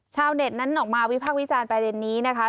ชาวเน็ตนั้นออกมาวิพักวิจารณ์ไปเด็นนี้นะคะ